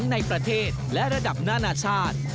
ในประเทศและระดับนานาชาติ